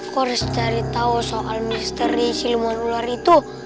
aku harus cari tahu soal misteri siluman ular itu